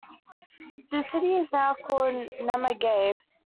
The city is now called Nyamagabe.